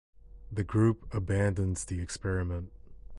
The group abandons the experiment.